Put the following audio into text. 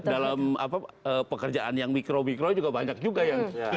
dalam pekerjaan yang mikro mikro juga banyak juga yang